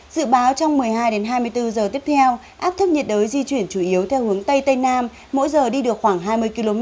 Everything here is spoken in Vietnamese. dự báo trong một mươi hai đến hai mươi bốn giờ tiếp theo áp thấp nhiệt đới di chuyển chủ yếu theo hướng tây tây nam mỗi giờ đi được khoảng hai mươi km